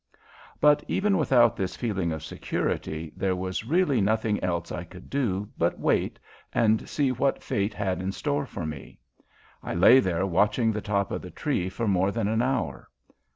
But, even without this feeling of security, there was really nothing else I could do but wait and see what fate had in store for me. I lay there watching the top of the tree for more than an hour.